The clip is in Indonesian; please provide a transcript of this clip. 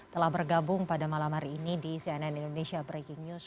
telah bergabung pada malam hari ini di cnn indonesia breaking news